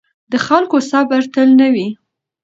د خلکو صبر تل نه وي